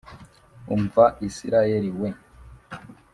umva Isirayeli we!